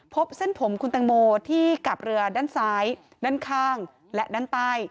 พบเส้นผมคุณตังโมที่กับเรือด้านซ้ายด้านข้างและด้านใต้